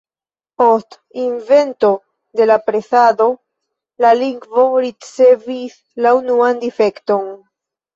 Post invento de la presado la lingvo ricevis la unuan difekton.